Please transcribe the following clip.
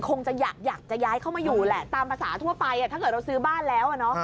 คงจะอยากจะย้ายเข้ามาอยู่แหละตามภาษาทั่วไปถ้าเกิดเราซื้อบ้านแล้ว